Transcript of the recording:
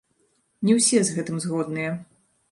Не ўсе з гэтым згодныя.